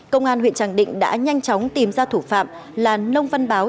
công an huyện tràng định đã nhanh chóng tìm ra thủ phạm là nông văn báo